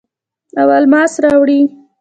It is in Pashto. او الماس راوړي